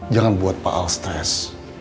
jangan buat pak al stres